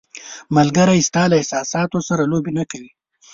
ملګری ستا له احساساتو سره لوبې نه کوي.